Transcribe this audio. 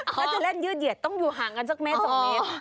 ถ้าจะเล่นยืดเหยียดต้องอยู่ห่างกันสักเมตร๒เมตร